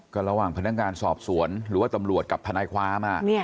ก็ระหว่างพนักงานสอบสวนหรือว่าตำรวจกับทนายความ